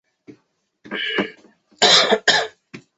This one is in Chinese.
和应力一样都是由柯西提出。